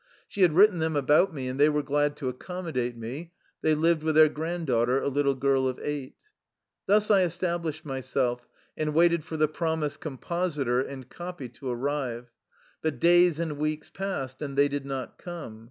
She had written them about me, and they were glad to accommodate me. They lived with their granddaughter, a little girl of eight. Thus I established myself, and waited for the promised compositor and " copy " to arrive. But days and weeks passed, and they did not come.